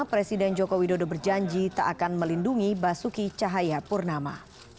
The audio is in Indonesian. presiden jokowi dodo berjanji tak akan melindungi basuki cahaya purnama